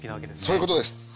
そういうことです。